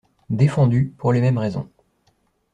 Défendu, pour les mêmes raisons.